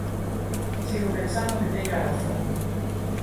Sigo pensando que teño a razón.